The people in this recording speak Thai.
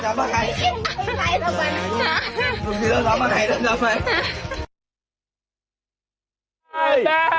เฮ้ยแซ่